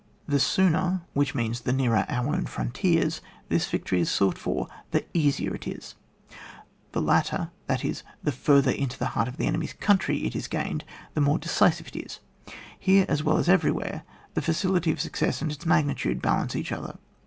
The sooner, which means the nearer our own frontiers, this victory is sought for, tht easier it is ; the later, that is, the far ther in the heart of the enemy^s country it is gained, the more decisive it is. Here, as well as everywhere, the facility of success and its magnitude balance each other.